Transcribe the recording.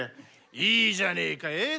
いいじゃねえかええ？